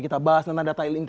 kita bahas tentang data lnk